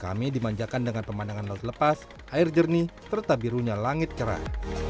kami dimanjakan dengan pemandangan laut lepas air jernih serta birunya langit cerah